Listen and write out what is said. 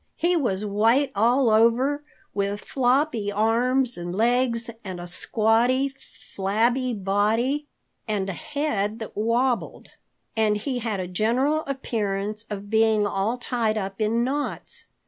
He was white all over, with floppy arms and legs, and a squatty, flabby body and a head that wabbled. And he had a general appearance of being all tied up in knots.